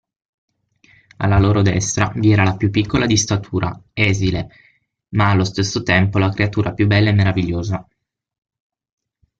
Alla loro destra vi era la più piccola di statura, esile, ma allo stesso tempo la creatura più bella e meravigliosa.